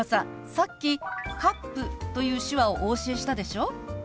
さっき「カップ」という手話をお教えしたでしょう？